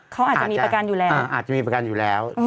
เขาอาจจะมีประกันอยู่แล้วอาจจะมีประกันอยู่แล้ว